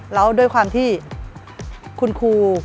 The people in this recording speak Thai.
แล้วด้วยความที่คุณครู